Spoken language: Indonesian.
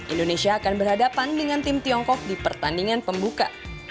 indonesia akan berhadapan dengan tim tiongkok di pertandingan pembuka